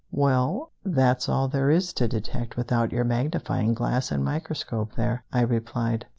"Well, that's all there is to detect without your magnifying glass and microscope there," I replied.